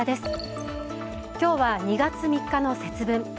今日は２月３日の節分。